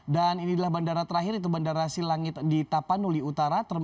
dan inilah bandara terakhir itu bandara silangit di tapanuli utara